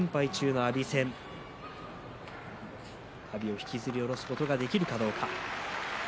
阿炎を引きずり下ろすことができるかどうか。